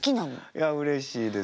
いやうれしいです。